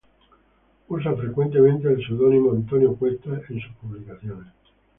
Usa frecuentemente el pseudónimo Antonio Cuestas en sus publicaciones.